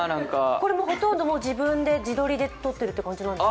これもほとんど自分で自撮りで撮ってる感じなんですか？